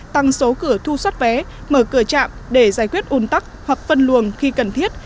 tăng số cửa thu xoát vé mở cửa trạm để giải quyết un tắc hoặc phân luồng khi cần thiết